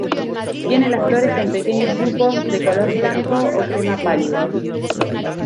Tiene las flores en pequeños grupos, de color blanco o crema pálido.